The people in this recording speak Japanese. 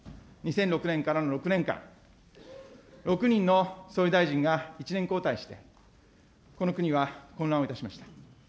２００６年からの６年間、６人の総理大臣が１年交代して、この国は混乱をいたしました。